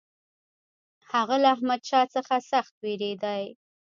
هغه له احمدشاه څخه سخت وېرېدی.